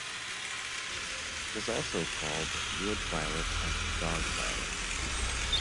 It is also called wood violet and dog violet.